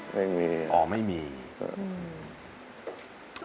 ไม่มีนะครับอ๋อไม่มีอืม